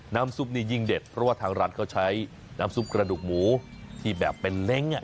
น้ำซุปนี่ยิ่งเด็ดเพราะว่าทางร้านเขาใช้น้ำซุปกระดูกหมูที่แบบเป็นเล้ง